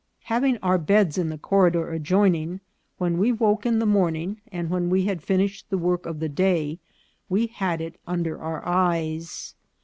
Having our beds in the corridor adjoining, when we woke in the morning, and when we had finished the work of the day, we had it under our eyes.